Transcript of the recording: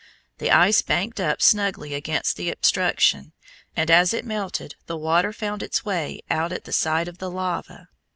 The ice banked up snugly against the obstruction, and as it melted the water found its way out at the side of the lava.